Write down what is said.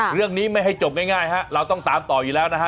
เรื่องนี้ไม่ให้จบง่ายฮะเราต้องตามต่ออยู่แล้วนะฮะ